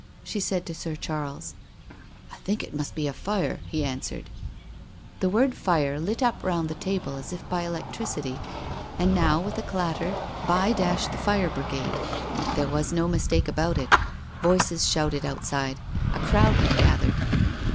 she said to Sir Charles. " I think it must be a fire," be answered, THE DINNER PARTY 243 The word fire lit up round the table as if by electri city. And now, with a clatter, by dashed the! fire bri gade. There was no mistake about it now. Voices shouted outside. A crowd had gathered.